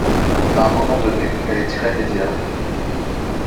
À un moment donné, elle est irrémédiable.